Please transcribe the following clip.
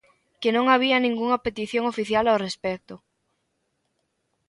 Que non había ningunha petición oficial ao respecto.